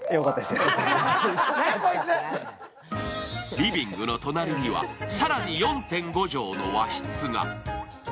リビングの隣には更に４．５畳の和室が。